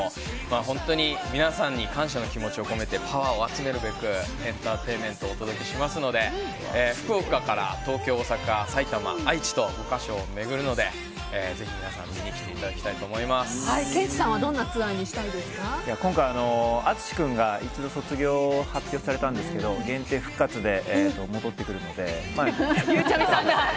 本当に、皆さんに感謝の気持ちを込めてパワーを集めるべくエンターテインメントをお届けしますので福岡から東京、大阪、埼玉愛知と５か所を巡るのでぜひ皆さんケンチさんは今回、ＡＴＳＵＳＨＩ君が一度、卒業を発表されたんですが限定復活でえっ！